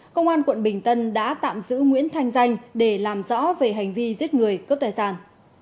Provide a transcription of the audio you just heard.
công an quận bình tân đã tạm giữ nguyễn thanh danh để làm rõ về hành vi giết người cướp tài sản